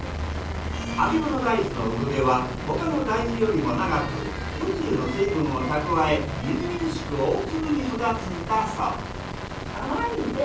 あけぼの大豆の産毛は他の大豆よりも長く夜露の水分を蓄えみずみずしく大粒に育つんだそう。